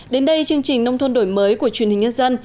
đến đây chương trình nông thôn đổi mới của truyền hình nhân dân